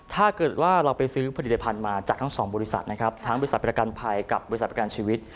ถ้าเกิดว่าเราไปซื้อผลิตภัณฑ์มาจากทั้งสองบริษัทนะครับทั้งบริษัทประกันภัยกับบริษัทประกันชีวิต